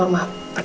pak teng apertit